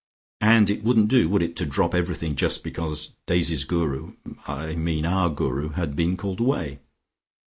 And it wouldn't do, would it, to drop everything just because Daisy's Guru I mean our Guru had been called away.